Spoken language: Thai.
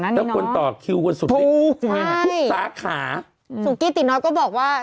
นั้นดีน้อยถ้าคุณตอบคิวกว่าสุดถูกใช่สาขาสุกี้ตีน้อยก็บอกว่า